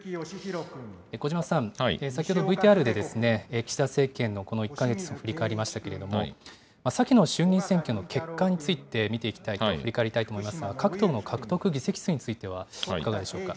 小嶋さん、先ほどＶＴＲで、岸田政権のこの１か月を振り返りましたけれども、先の衆議院選挙の結果について見ていきたいと、振り返りたいと思いますが、各党の獲得議席数についてはいかがでしょうか。